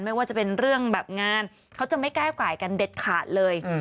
ไม่ว่าจะเป็นเรื่องแบบงานเขาจะไม่ก้าวไก่กันเด็ดขาดเลย